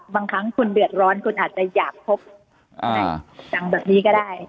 บางครั้งคุณเดือดร้อนคุณอาจจะอยากพบอะไรดังแบบนี้ก็ได้